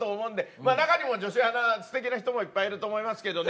まあ中には女子アナすてきな人もいっぱいいると思いますけどね。